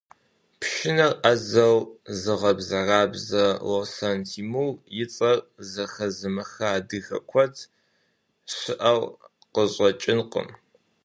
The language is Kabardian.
Пшынэр ӏэзэу зыгъэбзэрабзэ Лосэн Тимур и цӏэр зэхэзымыха адыгэ куэд щыӏэу къыщӏэкӏынкъым.